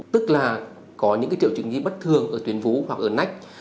tức là có những triệu chứng gì bất thường ở tuyên vú hoặc ở nách